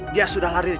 dia sudah lari di sana